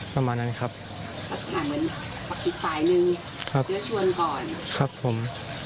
ประมาณนั้นครับอีกภายหนึ่งเดี๋ยวชวนก่อนครับผม